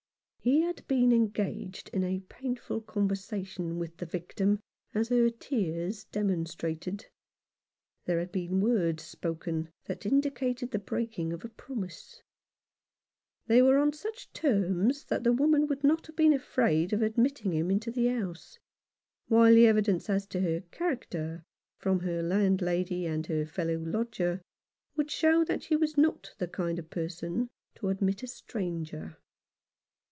He had been engaged in a painful conversation with the victim, as her tears demonstrated. There had been words spoken that indicated the breaking of a promise. They were on such terms that the woman would not have been afraid of admitting him into the house ; while the evidence as to her character, from her landlady and her fellow lodger, would show that she was not the kind of person to admit a stranger.